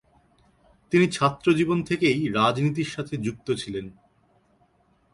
তিনি ছাত্রজীবন থেকেই রাজনীতির সাথে যুক্ত ছিলেন।